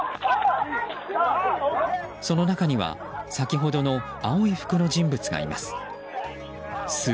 その中には先ほどの青い服の人物がいます。